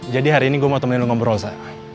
jadi hari ini gue mau temenin lo ngobrol sa